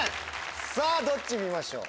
さぁどっち見ましょう。